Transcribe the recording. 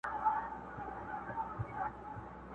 ډېري سترگي به كم كمي له سرونو.!